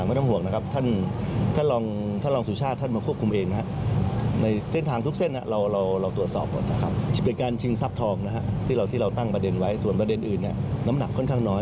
เป็นการชิงทรัพย์ทองที่เราตั้งประเด็นไว้ส่วนประเด็นอื่นน้ำหนักค่อนข้างน้อย